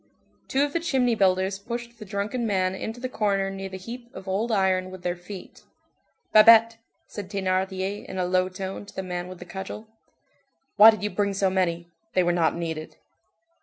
Two of the "chimney builders" pushed the drunken man into the corner near the heap of old iron with their feet. "Babet," said Thénardier in a low tone to the man with the cudgel, "why did you bring so many; they were not needed."